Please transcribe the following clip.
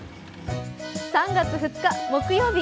３月２日木曜日。